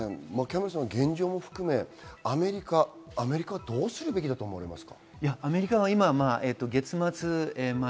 現状も含めアメリカはどうするべきだと思いますか？